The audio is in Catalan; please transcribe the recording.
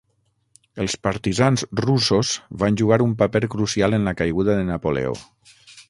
Els partisans russos van jugar un paper crucial en la caiguda de Napoleó.